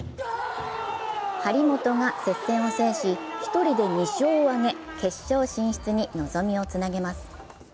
張本が接戦を制し１人で２勝を挙げ決勝進出に望みをつなげます。